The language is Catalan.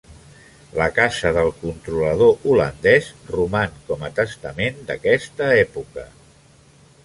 La casa del controlador holandès roman, com a testament d'aquesta època.